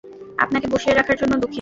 আপনাকে বসিয়ে রাখার জন্য দুঃখিত।